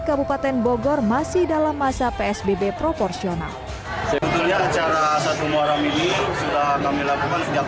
kabupaten bogor masih dalam masa psbb proporsional acara satu muharam ini sudah kami lakukan sejak